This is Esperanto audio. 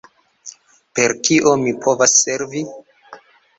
Per kio mi povas servi?